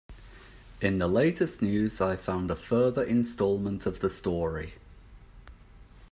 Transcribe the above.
In the latest news I found a further instalment of the story.